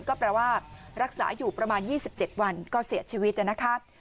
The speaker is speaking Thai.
ก็แปลว่ารักษาอยู่ประมาณ๒๗วันก็เสียชีวิตนะครับ